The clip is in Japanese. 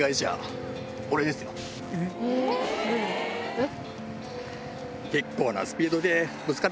えっ？